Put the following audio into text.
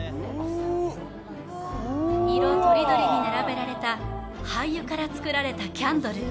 色とりどりに並べられた廃油から作られたキャンドル。